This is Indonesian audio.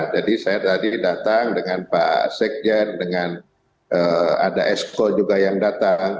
jadi saya tadi datang dengan pak sekjen dengan ada esko juga yang datang